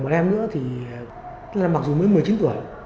một em nữa thì mặc dù mới một mươi chín tuổi